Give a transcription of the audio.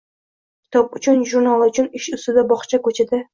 Kitob uchun, jurnal uchun, ish ustida, bog`da, ko`chada